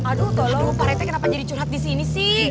aduh tolong pak rete kenapa jadi curhat disini sih